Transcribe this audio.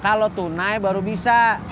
kalo tunai baru bisa